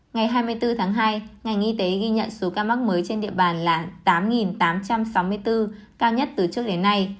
ngày hai mươi bốn tháng hai ngành y tế ghi nhận số ca mắc mới trên địa bàn là tám tám trăm sáu mươi bốn cao nhất từ trước đến nay